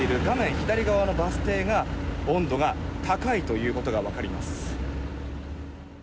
左側のバス停が温度が高いということが分かります。